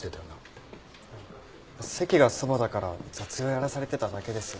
席がそばだから雑用やらされてただけですよ。